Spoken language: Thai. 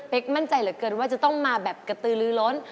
มั่นใจเหลือเกินว่าจะต้องมาแบบกระตือลือล้น